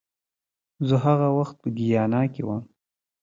زه هغه وخت په ګیانا کې وم